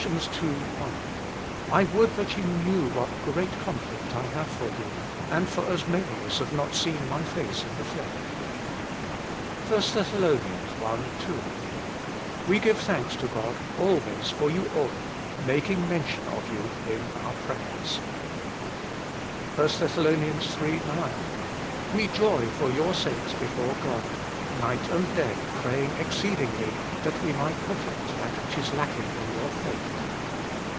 1 :" I would that ye knew what great conflict I have for you, and for as many as have not seen my face in the flesh." 1 Thess. i. 2 :" We give thanks to God always for you all, making mention of you in PAUL A PATTERN OF PRAYER 159 our prayers." iii. 9 :" We joy for your sakes before God; night and day praying exceedingly that we might perfect that which is lacking in your faith."